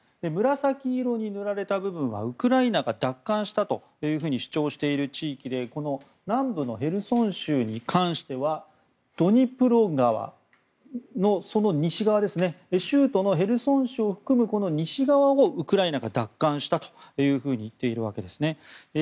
紫色に塗られた部分はウクライナが奪還したと主張している地域でこの南部のヘルソン州に関してはドニプロ川の西側州都のヘルソン市を含む西側をウクライナが奪還したと言っているわけですね。